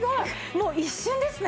もう一瞬ですね。